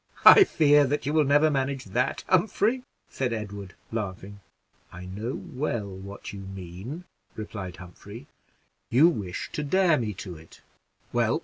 "I fear that you will never manage that, Humphrey," said Edward, laughing. "I know well what you mean," replied Humphrey: "you wish to dare me to it well.